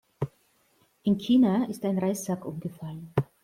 In China ist ein Reissack umgefallen.